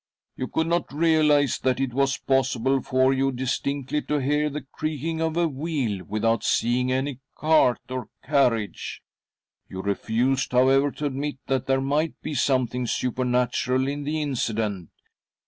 You could not realise that it was possible for you distinctly to hear the creaking of a wheel without seeing any cart or carriage. You refused, however, to admit that there might be something supernatural in the incident.